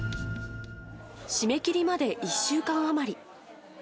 締め切りまで１週間余り。